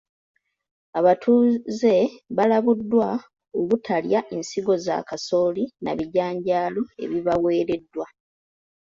Abatuuze balabuddwa obutalya nsigo za kasooli na bijanjaalo ebibaweereddwa.